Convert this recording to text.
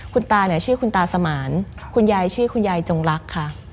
คุณตาเนี่ยชื่อคุณตาสมานคุณยายชื่อคุณยายจงรักค่ะ